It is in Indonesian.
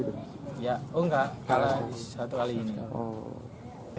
ya oh enggak kalah satu kali ini kak